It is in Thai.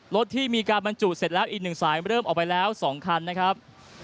รถที่มีการบรรจุเสร็จแล้วอีก๑สายเริ่มออกไปแล้ว๒คันนะครับ